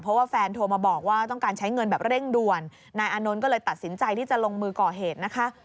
เพราะว่าแฟนโทรมาบอกว่าต้องการใช้เงินแบบเร่งด่วนนายอานนท์ก็เลยตัดสินใจที่จะลงมือก่อเหตุนะคะ